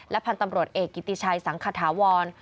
พันธุ์ตำรวจเอกกิติชัยสังขถาวร